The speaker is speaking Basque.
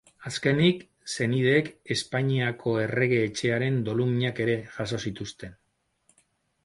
Azkenik, senideek Espainiako Errege Etxearen doluminak ere jaso zituzten.